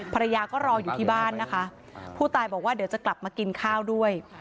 ภรรยาก็รออยู่ที่บ้านนะคะผู้ตายบอกว่าเดี๋ยวจะกลับมากินข้าวด้วย